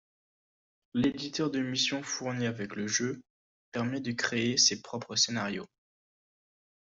L'éditeur de missions fourni avec le jeu permet de créer ses propres scénarios.